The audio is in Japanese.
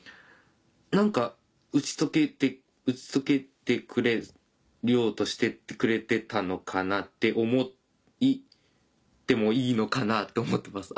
何か打ち解けてくれようとしてくれてたのかなって思ってもいいのかな？って思ってます。